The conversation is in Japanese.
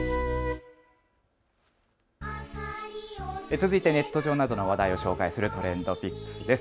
続いてネット上などの話題を紹介するＴｒｅｎｄＰｉｃｋｓです。